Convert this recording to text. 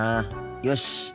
よし。